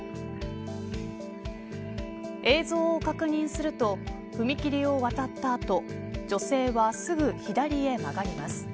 映像を確認すると踏切を渡った後女性は、すぐ左へ曲がります。